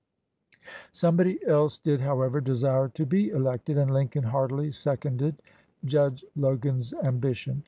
Somebody else did, however, desire to be elected, and Lincoln heartily seconded Judge Logan's ambition.